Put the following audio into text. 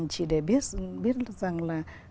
chỉ để biết rằng là